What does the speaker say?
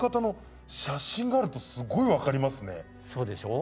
そうでしょう？